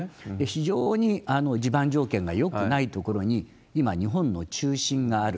非常に地盤条件がよくない所に今、日本の中心がある。